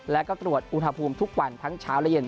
แล้วก็ตรวจอุณหภูมิทุกวันทั้งเช้าและเย็น